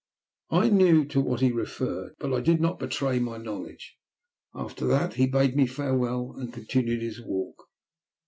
I knew to what he referred, but I did not betray my knowledge. After that he bade me farewell, and continued his walk.